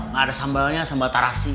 gak ada sambalnya sambal tarasi